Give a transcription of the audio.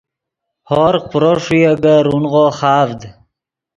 ہورغ پرو ݰوئے اےگے رونغو خاڤد